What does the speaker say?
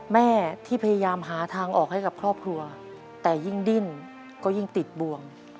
แม่ที่พยายามหาทางออกให้กับครอบครัวแต่ยิ่งดิ้นก็ยิ่งติดบวม